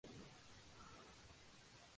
Manso de Velasco.